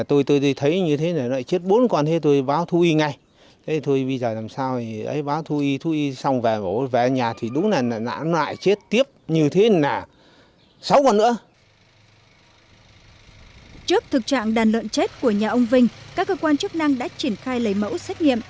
trước thực trạng đàn lợn chết của nhà ông vinh các cơ quan chức năng đã triển khai lấy mẫu xét nghiệm